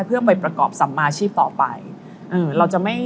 เพื่อไปประกอบสามมาชีพต่อไป